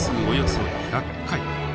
およそ１００回。